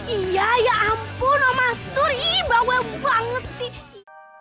iya ya ampun mas turi bawa banget sih